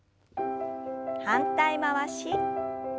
反対回し。